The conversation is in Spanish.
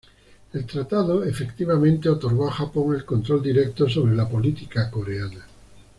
El tratado efectivamente otorgó a Japón el control directo sobre la política coreana.